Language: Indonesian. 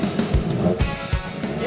tinggalin dong gua di sini